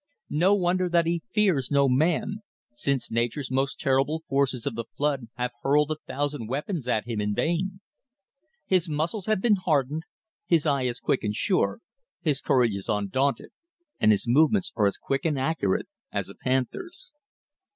No wonder that he fears no man, since nature's most terrible forces of the flood have hurled a thousand weapons at him in vain. His muscles have been hardened, his eye is quiet and sure, his courage is undaunted, and his movements are as quick and accurate as a panther's.